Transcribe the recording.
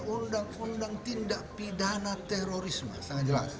undang undang tindak pidana terorisme sangat jelas